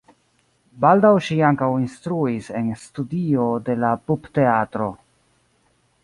Baldaŭ ŝi ankaŭ instruis en studio de la Pupteatro.